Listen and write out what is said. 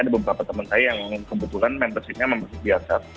ada beberapa teman saya yang kebetulan membershipnya membersih biasa